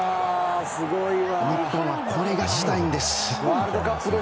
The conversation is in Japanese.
日本はこれがしたいんです。